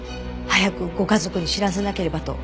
早くご家族に知らせなければと。